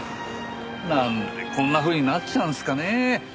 なんでこんなふうになっちゃうんですかね。